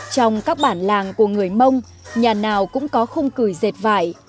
trong các bản làng của người mông nhà nào cũng có khung cửi dệt vải